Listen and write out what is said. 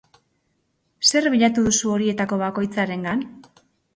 Zer bilatu duzu horietako bakoitzarengan?